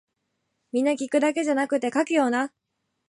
皆聞くだけじゃなくて書けよな